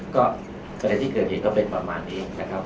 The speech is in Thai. ก็ประเด็นที่เกิดเหตุก็เป็นประมาณนี้นะครับ